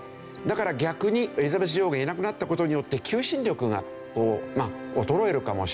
だから逆にエリザベス女王がいなくなった事によって求心力が衰えるかもしれない。